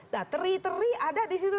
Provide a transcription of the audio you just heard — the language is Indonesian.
nah teri teri ada di situ